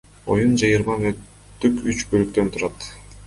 Оюн жыйырма мүнөттүк үч бөлүктөн турат.